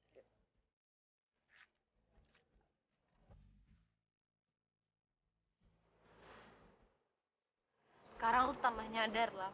sekarang utamanya darlam